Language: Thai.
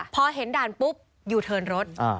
พอเห็นด่านปุ๊บยูเทิร์นรถ